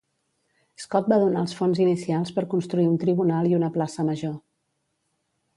Scott va donar els fons inicials per construir un tribunal i una plaça major.